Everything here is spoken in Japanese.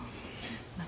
まあ